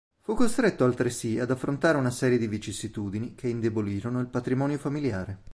Fu costretto altresì ad affrontare una serie di vicissitudini che indebolirono il patrimonio familiare.